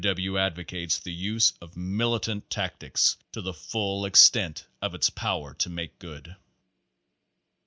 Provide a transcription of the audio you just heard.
W. advocates the use of militant tactics to the full extent of its power to make good.